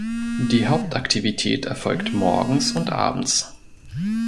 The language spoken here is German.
Die Hauptaktivität erfolgt morgens und abends.